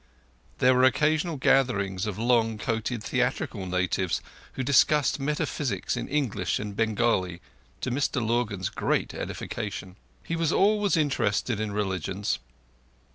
There were occasional gatherings of long coated theatrical natives who discussed metaphysics in English and Bengali, to Mr Lurgan's great edification. He was always interested in religions.